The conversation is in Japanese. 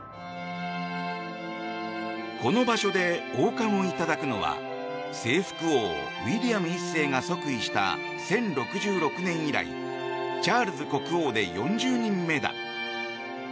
この場所で王冠をいただくのは征服王ウィリアム１世が即位した１０６６年以来チャールズ国王で４０人目だ。